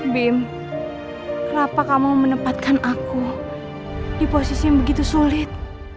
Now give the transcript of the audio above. bim kenapa kamu menempatkan aku di posisi yang begitu sulit